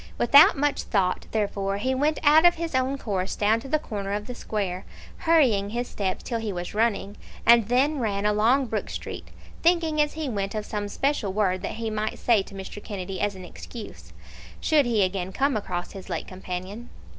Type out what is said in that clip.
Without much thought, therefore, he went out of his own course down to the corner of the Square, hurrying his steps till he was running, and then ran along Brook Street, thinking as he went of some special word that he might say to Mr. Kennedy as an excuse, should he again come across his late companion.